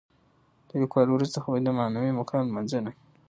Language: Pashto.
د لیکوالو ورځ د هغوی د معنوي مقام لمانځنه ده.